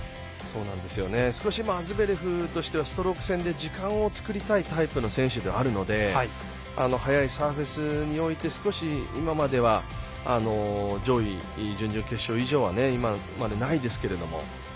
少しズベレフとしてはストローク戦で時間を作りたいタイプの選手ではあるので速いサーフェスにおいて少し上位、準々決勝以上は今までないですけれども。